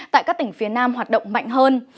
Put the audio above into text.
tại các tỉnh phía nam hoạt động mạnh hơn